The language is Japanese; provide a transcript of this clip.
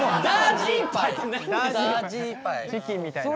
チキンみたいな。